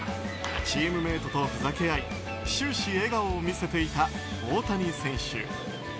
チームメートとふざけ合い終始笑顔を見せていた大谷選手。